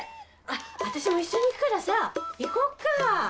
私も一緒に行くからさ行こっか。